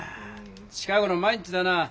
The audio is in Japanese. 近ごろ毎日だな。